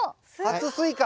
初スイカ。